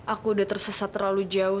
aku udah tersesat terlalu jauh